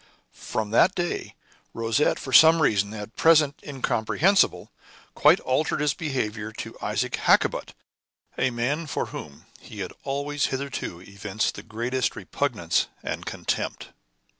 From that day Rosette, for some reason at present incomprehensible, quite altered his behavior to Isaac Hakkabut, a man for whom he had always hitherto evinced the greatest repugnance and contempt.